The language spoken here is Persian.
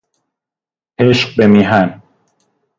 عشق به میهن